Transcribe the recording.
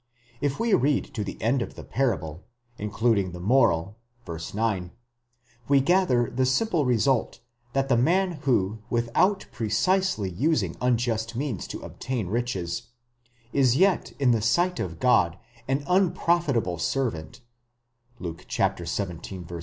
If we read to the end of the parable, includ ing the moral (v. 9), we gather the simple result, that the man who without precisely using unjust means to obtain riches, is yet in the sight of God an unprofitable servant, δοῦλος ἀχρεῖος (Luke xvii.